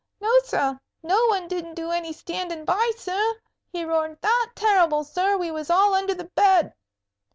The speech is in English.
"No, sir; no one didn't do any standing by, sir. He roared that terrible, sir, we was all under the bed."